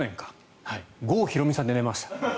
郷ひろみさんで寝ました。